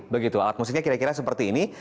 begitu alat musiknya kira kira seperti ini